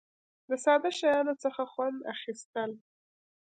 د ساده شیانو څخه خوند اخیستل.